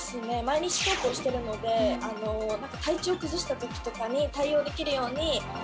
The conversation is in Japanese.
毎日投稿してるので体調崩した時とかに対応できるように。